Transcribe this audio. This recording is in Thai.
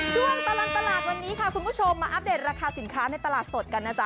ตลอดตลาดวันนี้ค่ะคุณผู้ชมมาอัปเดตราคาสินค้าในตลาดสดกันนะจ๊